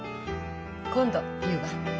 今度言うわ。